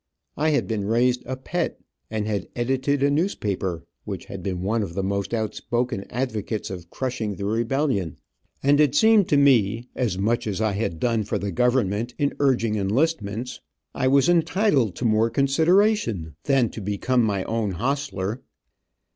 I had been raised a pet, and had edited a newspaper, which had been one of the most outspoken advocates of crushing the rebellion, and it seemed to me, as much as I had done for the government, in urging enlistments, I was entitled to more consideration then to become my own hostler.